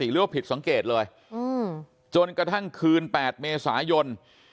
หรือว่าผิดสังเกตเลยจนกระทั่งคืน๘เมษายน